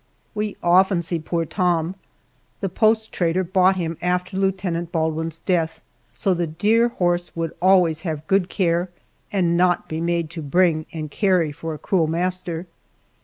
We often see poor Tom. The post trader bought him after Lieutenant Baldwin's death, so the dear horse would always have good care and not be made to bring and carry for a cruel master.